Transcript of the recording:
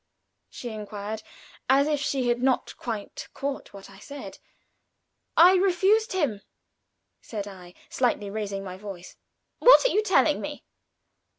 she inquired, as if she had not quite caught what I said. "I refused him," said I, slightly raising my voice. "What are you telling me?"